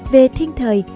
về thiên thời